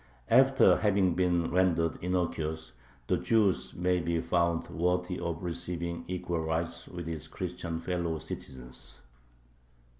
After having been rendered "innocuous," the Jew may be found worthy of receiving equal rights with his Christian fellow citizens.